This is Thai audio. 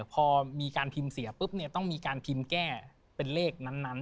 พอมีการพิมพ์เสียปุ๊บเนี่ยต้องมีการพิมพ์แก้เป็นเลขนั้น